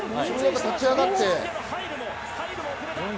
立ち上がって。